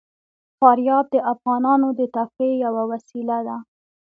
فاریاب د افغانانو د تفریح یوه وسیله ده.